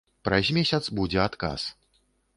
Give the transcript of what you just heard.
Праз месяц будзе адказ.